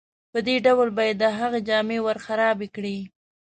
په دې ډول به یې د هغه جامې ورخرابې کړې.